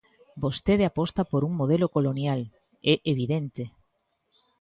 Vostede aposta por un modelo colonial, é evidente.